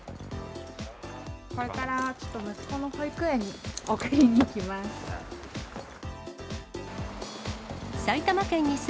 これからちょっと、息子の保育園に送りに行きます。